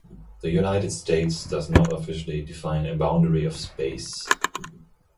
The United States does not officially define a "boundary of space".